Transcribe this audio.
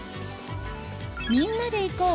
みんなで行こう！